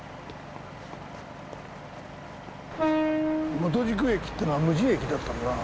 本宿駅ってのは無人駅だったんだなあ。